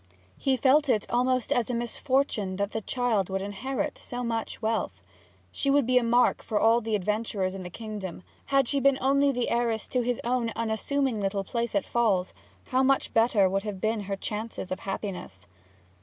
He felt it almost as a misfortune that the child would inherit so much wealth. She would be a mark for all the adventurers in the kingdom. Had she been only the heiress to his own unassuming little place at Falls, how much better would have been her chances of happiness!